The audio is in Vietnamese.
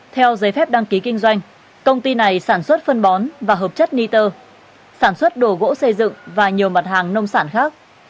theo giấy phép đăng ký kinh doanh công ty này sản xuất phân bón và hợp chất niter sản xuất đồ gỗ xây dựng và nhiều mặt hàng nông sản khác